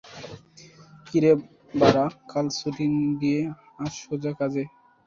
কিরে বাড়া, কাল ছুটি দিয়ে আজ সোজা কাজে!